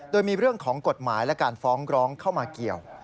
โดยมีเรื่องของกฎหมายและการฟ้องร้องเข้ามาเกี่ยว